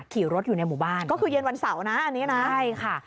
ขี่รถอยู่ในหมู่บ้านก็คือเย็นวันเสาร์นะอันนี้นะใช่ค่ะ